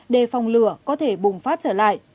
để phòng lửa có thể bùng phát trở lại